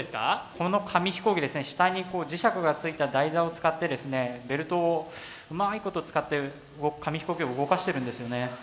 この紙飛行機下にこう磁石がついた台座を使ってベルトをうまいこと使って動く紙飛行機を動かしてるんですよね。